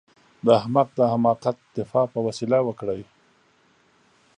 د احمق د حماقت دفاع په وسيله وکړئ.